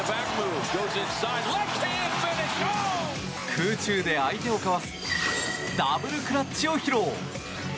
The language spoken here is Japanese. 空中で相手をかわすダブルクラッチを披露。